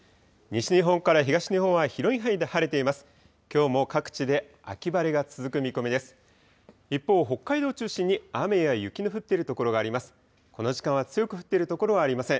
西日本から東日本は広い範囲で晴れています。